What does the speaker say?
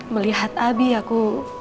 melihat abi aku